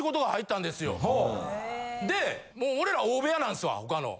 でもう俺ら大部屋なんすわ他の。